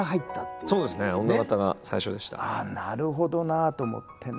ああなるほどなと思ってね。